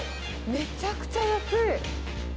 めちゃくちゃ安い。